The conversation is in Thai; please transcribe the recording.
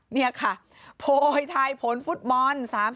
นี่ค่ะโพยทายผลฟุตบอล๓๐